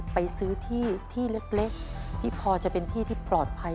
ไปซื้อที่ที่เล็กที่พอจะเป็นที่ที่ปลอดภัย